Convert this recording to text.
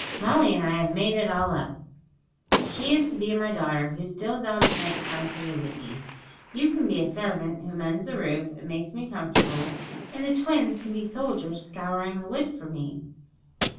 Molly and I have made it all up. She is to be my daughter, who steals out at night time to visit me; you can be a servant, who mends the roof, and makes me comfortable; and the twins can be soldiers scouring the wood for me.'